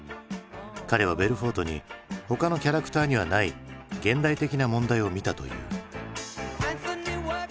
彼はベルフォートに他のキャラクターにはない現代的な問題を見たという。